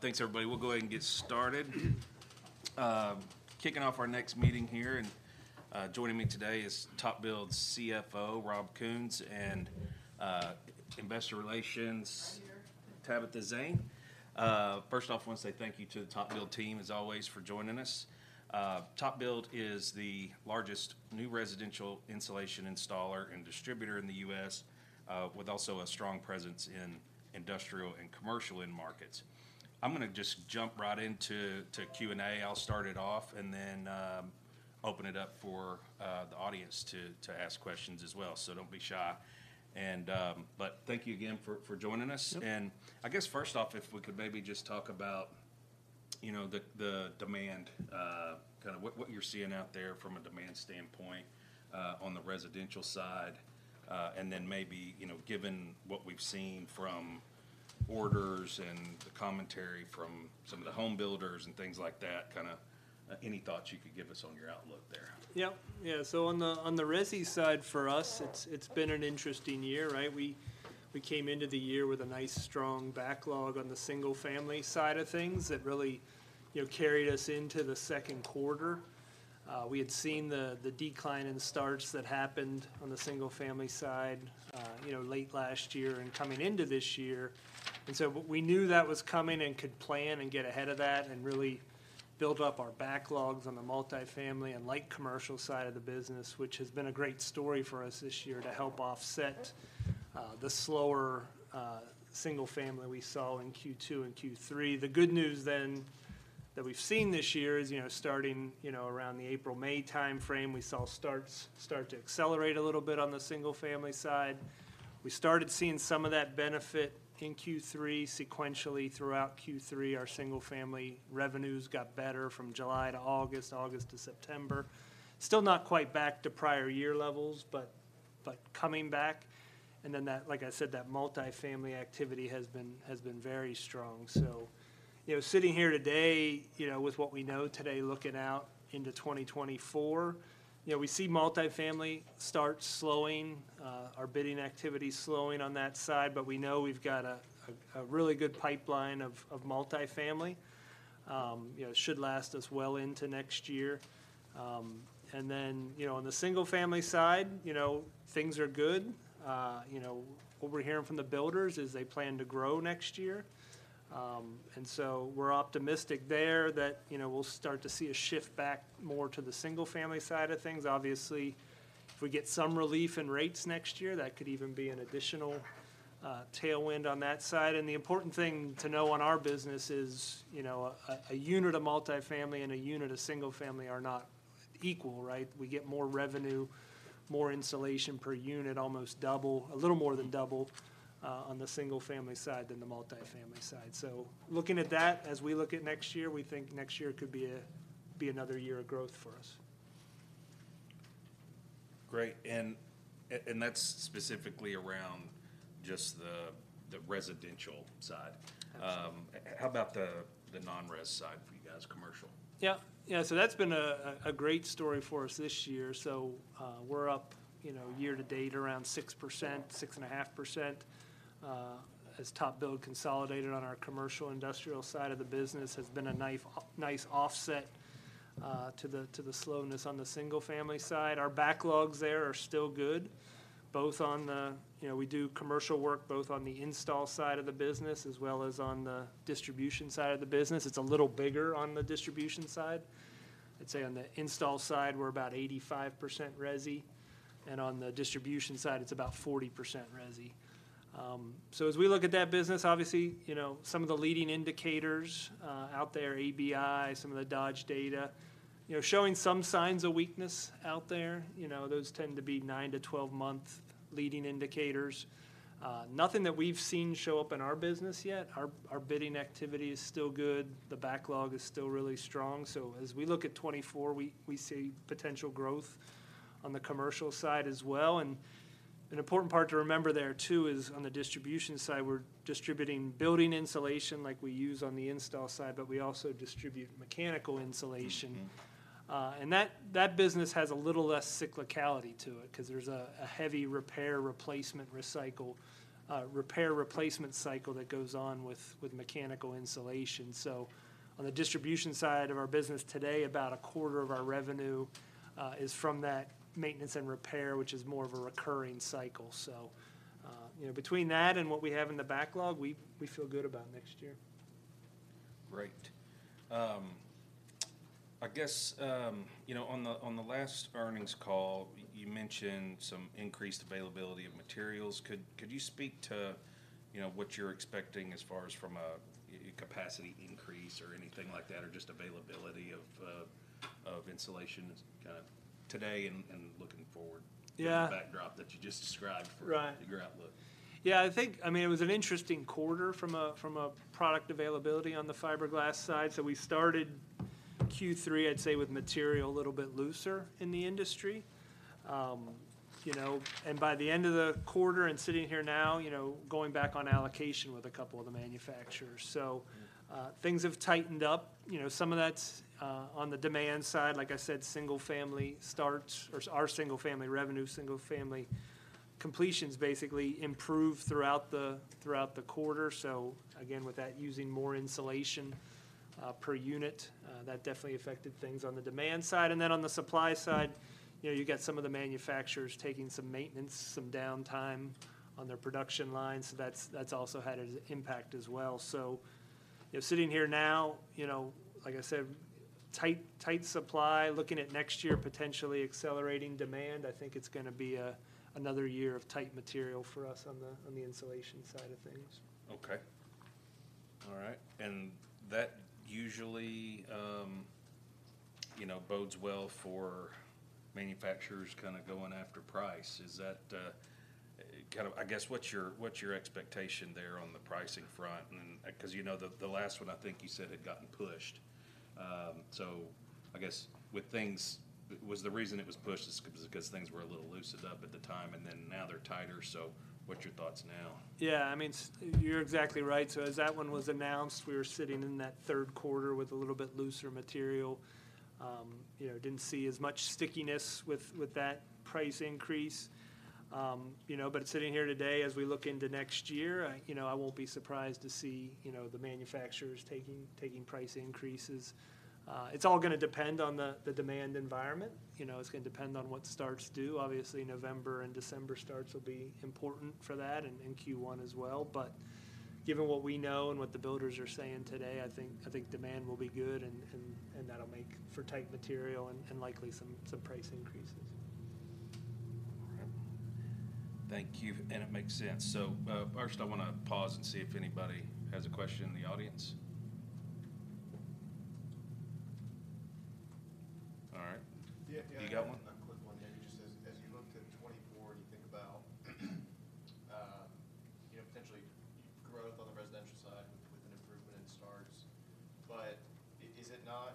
Thanks everybody. We'll go ahead and get started. Kicking off our next meeting here, and joining me today is TopBuild's CFO, Rob Kuhns, and Investor Relations- Hi, here. Tabitha Zane. First off, I wanna say thank you to the TopBuild team, as always, for joining us. TopBuild is the largest new residential insulation installer and distributor in the U.S., with also a strong presence in industrial and commercial end markets. I'm gonna just jump right into Q&A. I'll start it off, and then open it up for the audience to ask questions as well, so don't be shy. But thank you again for joining us. Yep. I guess first off, if we could maybe just talk about, you know, the demand, kinda what you're seeing out there from a demand standpoint, on the residential side. Then maybe, you know, given what we've seen from orders and the commentary from some of the home builders and things like that, kinda, any thoughts you could give us on your outlook there? Yep. Yeah, so on the resi side for us, it's been an interesting year, right? We came into the year with a nice, strong backlog on the single family side of things that really, you know, carried us into the second quarter. We had seen the decline in starts that happened on the single family side, you know, late last year and coming into this year. And so we knew that was coming and could plan and get ahead of that, and really build up our backlogs on the multifamily and light commercial side of the business, which has been a great story for us this year to help offset the slower single family we saw in Q2 and Q3. The good news then, that we've seen this year is, you know, starting, you know, around the April-May timeframe, we saw starts start to accelerate a little bit on the single family side. We started seeing some of that benefit in Q3. Sequentially throughout Q3, our single family revenues got better from July to August, August to September. Still not quite back to prior year levels, but, but coming back, and then that, like I said, that multifamily activity has been, has been very strong. So, you know, sitting here today, you know, with what we know today, looking out into 2024, you know, we see multifamily starts slowing, our bidding activity slowing on that side, but we know we've got a, a, a really good pipeline of, of multifamily. You know, should last us well into next year. And then, you know, on the single family side, you know, things are good. You know, what we're hearing from the builders is they plan to grow next year. And so we're optimistic there that, you know, we'll start to see a shift back more to the single family side of things. Obviously, if we get some relief in rates next year, that could even be an additional tailwind on that side. And the important thing to know on our business is, you know, a unit of multifamily and a unit of single family are not equal, right? We get more revenue, more insulation per unit, almost double, a little more than double, on the single family side than the multifamily side. Looking at that, as we look at next year, we think next year could be another year of growth for us. Great, and that's specifically around just the residential side. Absolutely. How about the non-res side for you guys, commercial? Yeah. Yeah, so that's been a great story for us this year. So, we're up, you know, year to date, around 6%, 6.5%, as TopBuild consolidated on our commercial industrial side of the business has been a nice offset to the slowness on the single family side. Our backlogs there are still good, both on the... You know, we do commercial work both on the install side of the business, as well as on the distribution side of the business. It's a little bigger on the distribution side. I'd say on the install side, we're about 85% resi, and on the distribution side, it's about 40% resi. So as we look at that business, obviously, you know, some of the leading indicators out there, ABI, some of the Dodge Data, you know, showing some signs of weakness out there. You know, those tend to be nine-12-month leading indicators. Nothing that we've seen show up in our business yet. Our bidding activity is still good. The backlog is still really strong. So as we look at 2024, we see potential growth on the commercial side as well. And an important part to remember there, too, is on the distribution side, we're distributing building insulation like we use on the install side, but we also distribute mechanical insulation. Mm-hmm. And that business has a little less cyclicality to it, 'cause there's a heavy repair, replacement, recycle, repair, replacement cycle that goes on with mechanical insulation. So on the distribution side of our business today, about a quarter of our revenue is from that maintenance and repair, which is more of a recurring cycle. So, you know, between that and what we have in the backlog, we feel good about next year. Great. I guess, you know, on the last earnings call, you mentioned some increased availability of materials. Could you speak to, you know, what you're expecting as far as from a capacity increase or anything like that, or just availability of insulation, kind of today and looking forward- Yeah... the backdrop that you just described for- Right... your outlook? Yeah, I think, I mean, it was an interesting quarter from a product availability on the fiberglass side. So we started Q3, I'd say, with material a little bit looser in the industry. You know, and by the end of the quarter and sitting here now, you know, going back on allocation with a couple of the manufacturers. So, Mm. Things have tightened up. You know, some of that's on the demand side. Like I said, single family starts, or our single family revenue, single family completions basically improved throughout the quarter. So again, with that, using more insulation per unit, that definitely affected things on the demand side. And then on the supply side, you know, you got some of the manufacturers taking some maintenance, some downtime on their production lines, so that's also had an impact as well. So, you know, sitting here now, you know, like I said, tight, tight supply, looking at next year, potentially accelerating demand, I think it's gonna be another year of tight material for us on the insulation side of things. Okay. All right, and that usually, you know, bodes well for manufacturers kind of going after price. Is that kind of... I guess, what's your, what's your expectation there on the pricing front? And, 'cause, you know, the last one I think you said had gotten pushed. So I guess with things, was the reason it was pushed is because things were a little loosened up at the time, and then now they're tighter, so what's your thoughts now? Yeah, I mean, you're exactly right. So as that one was announced, we were sitting in that third quarter with a little bit looser material. You know, didn't see as much stickiness with that price increase. You know, but sitting here today as we look into next year, I, you know, I won't be surprised to see, you know, the manufacturers taking price increases. It's all gonna depend on the demand environment. You know, it's gonna depend on what starts do. Obviously, November and December starts will be important for that, and in Q1 as well. But given what we know and what the builders are saying today, I think demand will be good, and that'll make for tight material and likely some price increases. All right. Thank you, and it makes sense. So, first, I wanna pause and see if anybody has a question in the audience. All right. Yeah, yeah. You got one? A quick one, yeah. Just as you look to 2024, you think about, you know, potentially growth on the residential side with an improvement in starts. But is it not,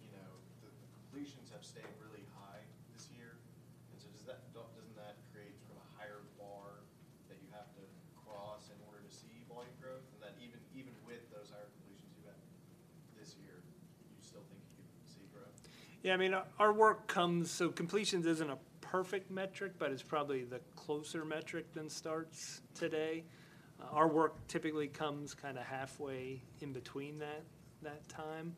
you know... The completions have stayed really high this year, and so doesn't that create sort of a higher bar that you have to cross in order to see volume growth? And then even with those higher completions you've had this year, you still think you can see growth? Yeah, I mean, our work comes... So completions isn't a perfect metric, but it's probably the closer metric than starts today. Our work typically comes kind of halfway in between that time.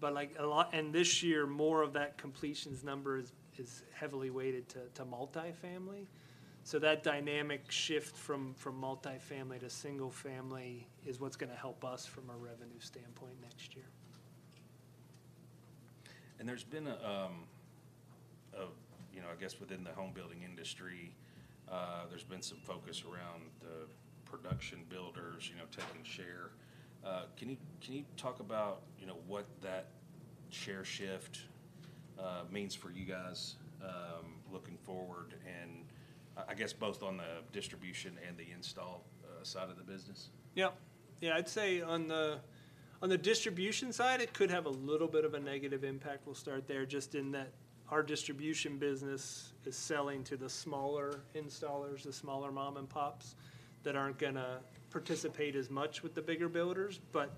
But like, a lot and this year, more of that completions number is heavily weighted to multifamily. So that dynamic shift from multifamily to single family is what's gonna help us from a revenue standpoint next year. There's been, you know, I guess within the home building industry, there's been some focus around the production builders, you know, taking share. Can you, can you talk about, you know, what that share shift means for you guys, looking forward and, I guess both on the distribution and the install side of the business? Yeah. Yeah, I'd say on the distribution side, it could have a little bit of a negative impact. We'll start there, just in that our distribution business is selling to the smaller installers, the smaller mom-and-pops, that aren't gonna participate as much with the bigger builders. But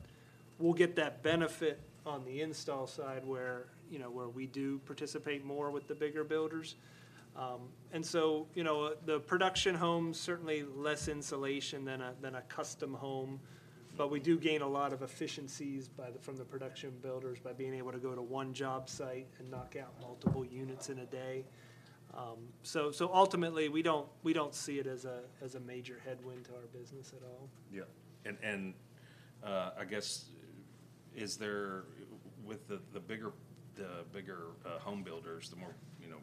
we'll get that benefit on the install side, where, you know, where we do participate more with the bigger builders. And so, you know, the production homes certainly less insulation than a custom home, but we do gain a lot of efficiencies from the production builders by being able to go to one job site and knock out multiple units in a day. So ultimately, we don't see it as a major headwind to our business at all. Yeah. I guess, is there, with the bigger home builders, the more, you know,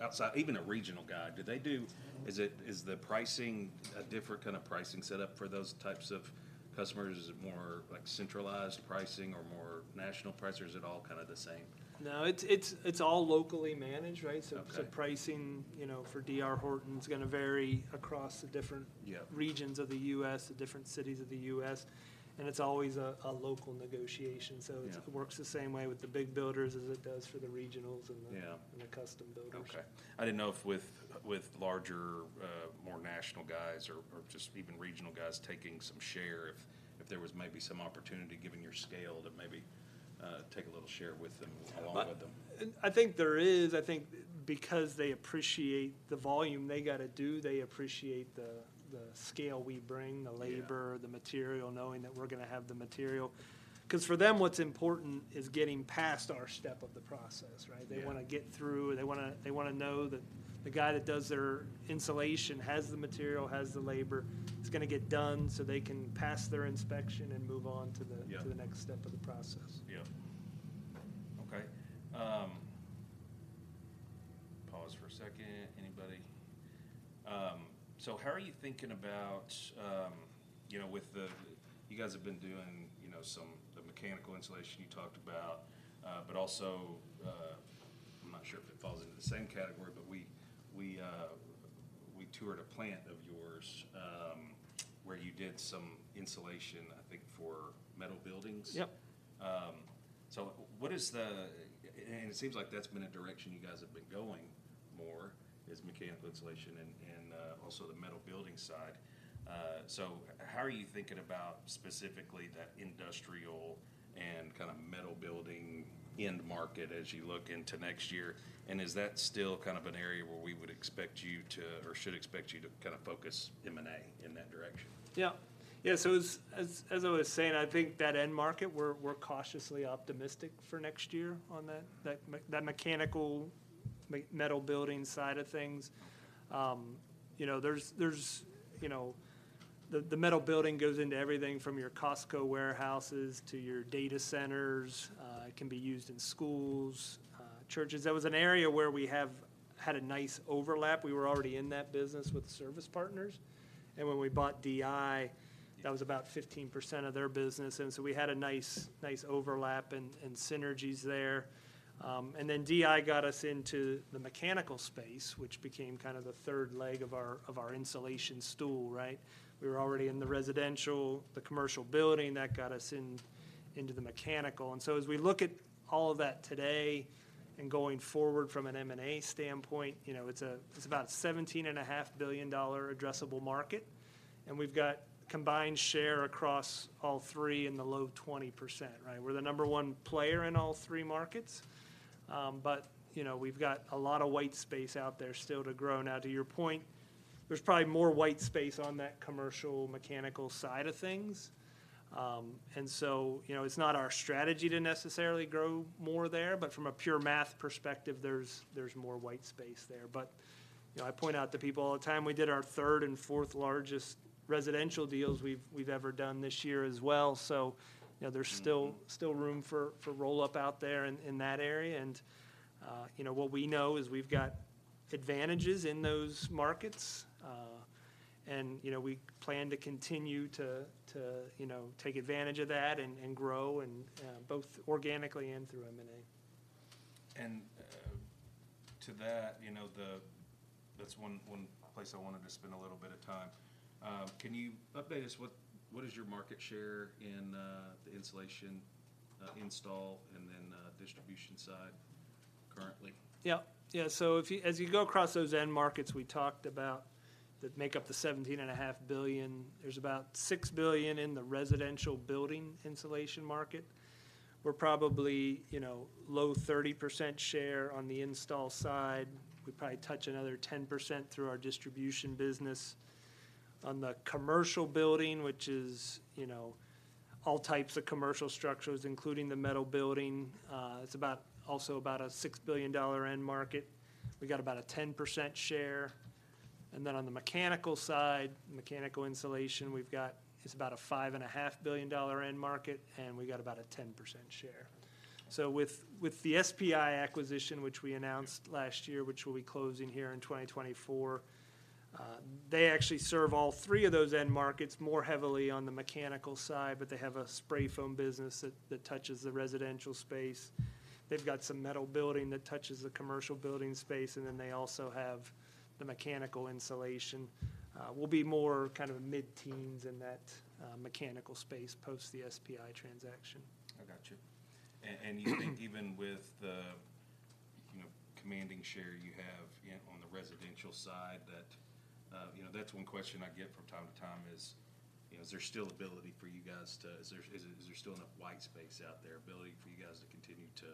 outside—even a regional guy, do they do... Is it—is the pricing a different kind of pricing setup for those types of customers? Is it more, like, centralized pricing or more national price, or is it all kind of the same? No, it's all locally managed, right? Okay. So pricing, you know, for D.R. Horton is gonna vary across the different- Yeah... regions of the U.S., the different cities of the U.S., and it's always a local negotiation. Yeah. So it works the same way with the big builders as it does for the regionals and the- Yeah... and the custom builders. Okay. I didn't know if with larger, more national guys or just even regional guys taking some share, if there was maybe some opportunity, given your scale, to maybe take a little share with them, along with them? I think there is. I think because they appreciate the volume they gotta do, they appreciate the scale we bring- Yeah... the labor, the material, knowing that we're gonna have the material. 'Cause for them, what's important is getting past our step of the process, right? Yeah. They wanna get through, they wanna know that the guy that does their insulation has the material, has the labor, it's gonna get done so they can pass their inspection and move on to the- Yeah... to the next step of the process. Yeah. Okay, pause for a second. Anybody... So how are you thinking about, you know, with—you guys have been doing, you know, some the mechanical insulation you talked about, but also, I'm not sure if it falls into the same category, but we toured a plant of yours, where you did some insulation, I think for metal buildings. Yep. So what is the... and it seems like that's been a direction you guys have been going more, is mechanical insulation and also the metal building side. So how are you thinking about specifically that industrial and kind of metal building end market as you look into next year? And is that still kind of an area where we would expect you to, or should expect you to kind of focus M&A in that direction? Yeah. Yeah, so as I was saying, I think that end market, we're cautiously optimistic for next year on that mechanical metal building side of things. You know, there's you know. The metal building goes into everything from your Costco warehouses to your data centers. It can be used in schools, churches. That was an area where we have had a nice overlap. We were already in that business with Service Partners, and when we bought DI, that was about 15% of their business, and so we had a nice overlap and synergies there. And then DI got us into the mechanical space, which became kind of the third leg of our insulation stool, right? We were already in the residential, the commercial building, that got us into the mechanical. As we look at all of that today, and going forward from an M&A standpoint, you know, it's about a $17.5 billion addressable market, and we've got combined share across all three in the low 20%, right? We're the number one player in all three markets. But, you know, we've got a lot of white space out there still to grow. Now, to your point, there's probably more white space on that commercial, mechanical side of things. And so, you know, it's not our strategy to necessarily grow more there, but from a pure math perspective, there's more white space there. But, you know, I point out to people all the time, we did our third and fourth largest residential deals we've ever done this year as well. So, you know, there's still- Mm... still room for roll-up out there in that area. And, you know, what we know is we've got advantages in those markets, and, you know, we plan to continue to take advantage of that and grow, and, both organically and through M&A. And to that, you know, that's one place I wanted to spend a little bit of time. Can you update us, what is your market share in the insulation install, and then distribution side currently? Yeah. Yeah, so as you go across those end markets we talked about, that make up the $17.5 billion, there's about $6 billion in the residential building insulation market. We're probably, you know, low 30% share on the install side. We probably touch another 10% through our distribution business. On the commercial building, which is, you know, all types of commercial structures, including the metal building, it's about, also about a $6 billion end market. We got about a 10% share, and then on the mechanical side, mechanical insulation, we've got it's about a $5.5 billion end market, and we got about a 10% share. So with the SPI acquisition, which we announced last year, which will be closing here in 2024, they actually serve all three of those end markets more heavily on the mechanical side, but they have a spray foam business that touches the residential space. They've got some metal building that touches the commercial building space, and then they also have the mechanical insulation. We'll be more kind of mid-teens in that mechanical space post the SPI transaction. I got you. And even with the, you know, commanding share you have on the residential side, that, you know, that's one question I get from time to time is, you know, is there still ability for you guys to is there still enough white space out there, ability for you guys to continue to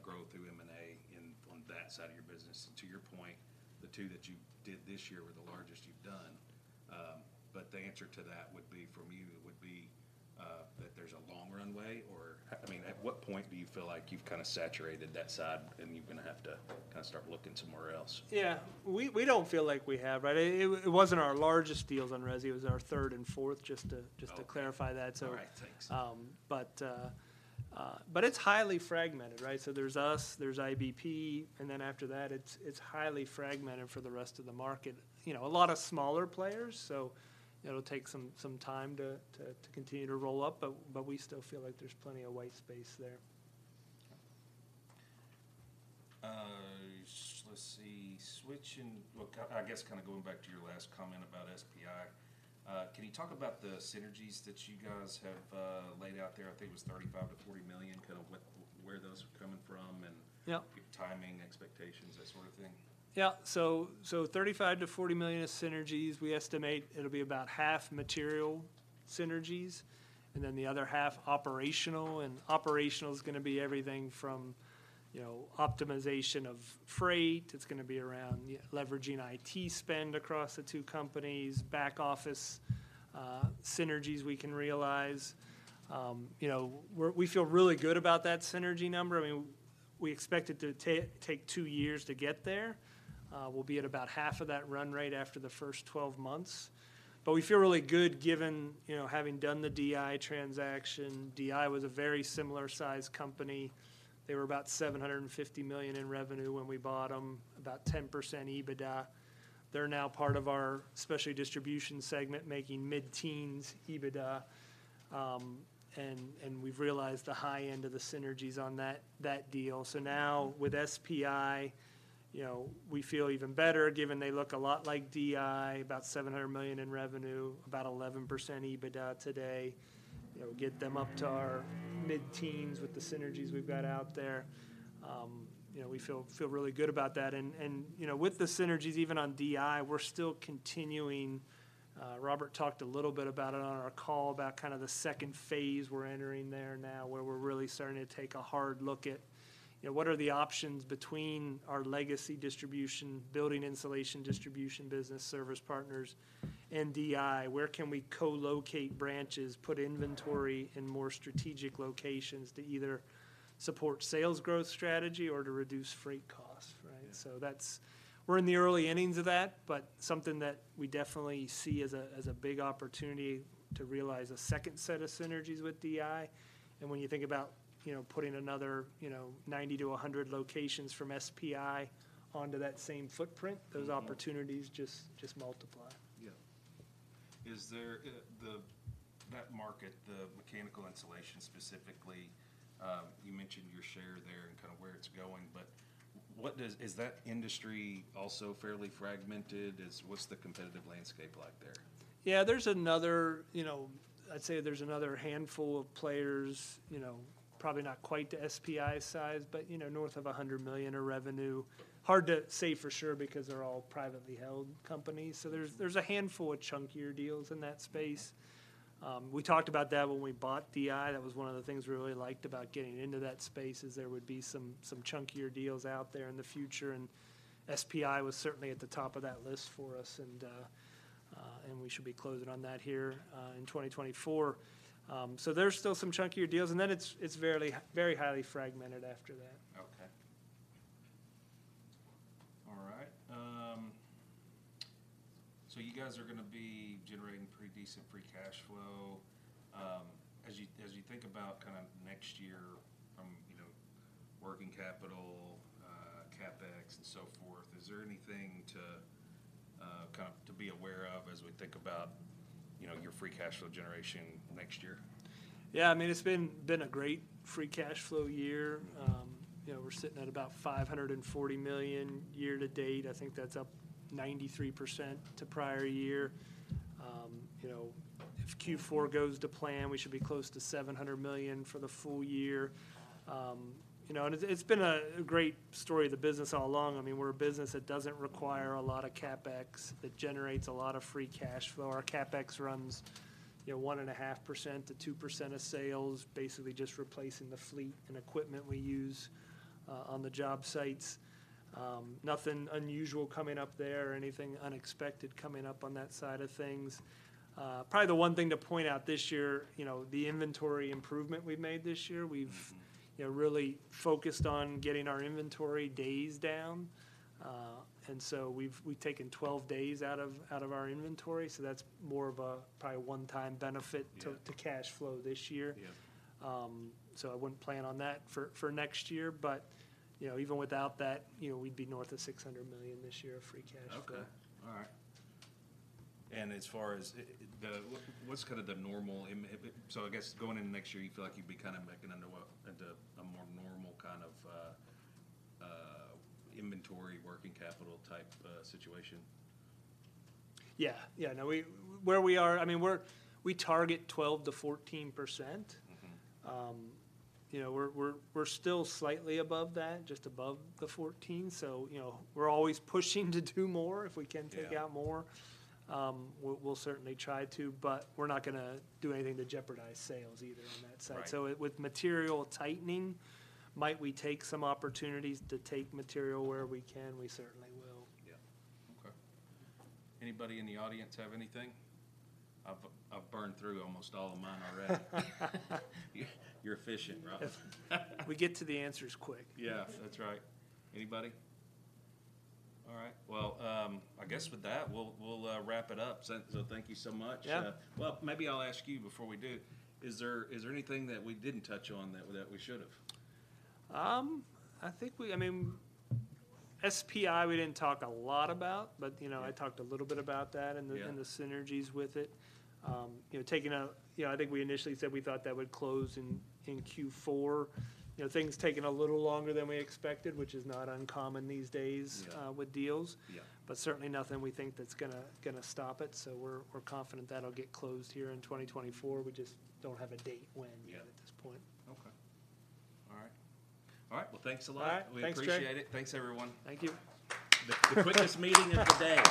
grow through M&A in, on that side of your business? To your point, the two that you did this year were the largest you've done. But the answer to that would be, from you, it would be that there's a long runway, or I mean, at what point do you feel like you've kind of saturated that side and you're gonna have to kind of start looking somewhere else? Yeah. We don't feel like we have, right? It wasn't our largest deals on resi, it was our third and fourth, just to- Okay... just to clarify that, so. All right, thanks. But it's highly fragmented, right? So there's us, there's IBP, and then after that, it's highly fragmented for the rest of the market. You know, a lot of smaller players, so it'll take some time to continue to roll up, but we still feel like there's plenty of white space there. Okay. I guess kind of going back to your last comment about SPI, can you talk about the synergies that you guys have laid out there? I think it was $35 million-$40 million, kind of what, where those are coming from, and- Yeah... timing, expectations, that sort of thing. Yeah. So, $35-$40 million of synergies, we estimate it'll be about half material synergies, and then the other half operational, and operational is gonna be everything from, you know, optimization of freight, it's gonna be leveraging IT spend across the two companies, back office synergies we can realize. You know, we feel really good about that synergy number. I mean, we expect it to take two years to get there. We'll be at about half of that run rate after the first 12 months. But we feel really good given, you know, having done the DI transaction. DI was a very similar-sized company. They were about $750 million in revenue when we bought them, about 10% EBITDA. They're now part of our specialty distribution segment, making mid-teens EBITDA, and we've realized the high end of the synergies on that deal. So now, with SPI, you know, we feel even better, given they look a lot like DI, about $700 million in revenue, about 11% EBITDA today. You know, get them up to our mid-teens with the synergies we've got out there. You know, we feel really good about that. And, you know, with the synergies, even on DI, we're still continuing. Robert talked a little bit about it on our call, about kind of the second phase we're entering there now, where we're really starting to take a hard look at, you know, what are the options between our legacy distribution, building insulation distribution business, Service Partners, and DI? Where can we co-locate branches, put inventory in more strategic locations to either support sales growth strategy or to reduce freight costs, right? Yeah. That's... We're in the early innings of that, but something that we definitely see as a big opportunity to realize a second set of synergies with DI. When you think about, you know, putting another, you know, 90-100 locations from SPI onto that same footprint- Mm-hmm. Those opportunities just multiply. Yeah. Is there that market, the mechanical insulation specifically, you mentioned your share there and kind of where it's going, but what does... Is that industry also fairly fragmented? What's the competitive landscape like there? Yeah, there's another, you know, I'd say there's another handful of players, you know, probably not quite to SPI's size, but, you know, north of $100 million in revenue. Hard to say for sure because they're all privately held companies. Mm. So there's a handful of chunkier deals in that space. We talked about that when we bought DI. That was one of the things we really liked about getting into that space, is there would be some chunkier deals out there in the future, and SPI was certainly at the top of that list for us, and we should be closing on that here in 2024. So there's still some chunkier deals, and then it's very highly fragmented after that. Okay. All right. So you guys are gonna be generating pretty decent free cash flow. As you think about kind of next year from, you know, working capital, CapEx, and so forth, is there anything to kind of be aware of as we think about, you know, your free cash flow generation next year? Yeah, I mean, it's been a great free cash flow year. You know, we're sitting at about $540 million year to date. I think that's up 93% to prior year. You know, if Q4 goes to plan, we should be close to $700 million for the full year. You know, and it's been a great story of the business all along. I mean, we're a business that doesn't require a lot of CapEx, that generates a lot of free cash flow. Our CapEx runs, you know, 1.5%-2% of sales, basically just replacing the fleet and equipment we use on the job sites. Nothing unusual coming up there or anything unexpected coming up on that side of things. Probably the one thing to point out this year, you know, the inventory improvement we've made this year- Mm-hmm. We've you know really focused on getting our inventory days down. And so we've taken 12 days out of our inventory, so that's more of a probably one-time benefit- Yeah... to cash flow this year. Yeah. So I wouldn't plan on that for next year, but, you know, even without that, you know, we'd be north of $600 million this year of free cash flow. Okay. All right. And as far as what's kind of the normal inventory, so I guess going into next year, you feel like you'd be kind of making into a, into a more normal kind of inventory working capital type situation? Yeah. Yeah, no, where we are, I mean, we target 12%-14%. Mm-hmm. You know, we're still slightly above that, just above the 14, so you know, we're always pushing to do more, if we can take out more. Yeah. We'll, we'll certainly try to, but we're not gonna do anything to jeopardize sales either on that side. Right. So with material tightening, might we take some opportunities to take material where we can? We certainly will. Yeah. Okay. Anybody in the audience have anything? I've burned through almost all of mine already. You're efficient, Rob. We get to the answers quick. Yeah, that's right. Anybody? All right. Well, I guess with that, we'll wrap it up. So thank you so much. Yeah. Well, maybe I'll ask you before we do: Is there anything that we didn't touch on that we should have? I think we... I mean, SPI, we didn't talk a lot about, but you know, I talked a little bit about that- Yeah... and the synergies with it. You know, taking out— You know, I think we initially said we thought that would close in Q4. You know, things have taken a little longer than we expected, which is not uncommon these days— Yeah... with deals. Yeah. But certainly nothing we think that's gonna stop it, so we're confident that'll get closed here in 2024. We just don't have a date when- Yeah... at this point. Okay. All right. All right, well, thanks a lot. All right, thanks, Trey. We appreciate it. Thanks, everyone. Thank you. The quickest meeting of the day.